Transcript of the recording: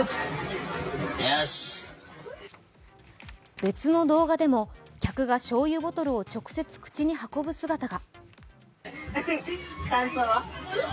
別の動画でも、客がしょうゆボトルを直接口に運ぶ姿が。